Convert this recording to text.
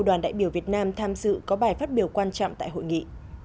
đoàn đại biểu việt nam tham dự có bài phát biểu quan trọng tại hội nghị